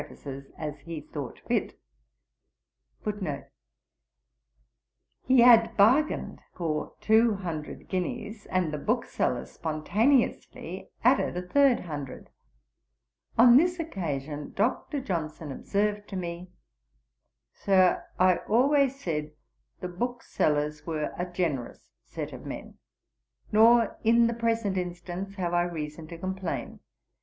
'He had bargained for two hundred guineas, and the booksellers spontaneously added a third hundred; on this occasion Dr. Johnson observed to me, "Sir, I always said the booksellers were a generous set of men. Nor, in the present instance, have I reason to complain.